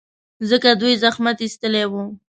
ځکه دوی زحمت ایستلی و.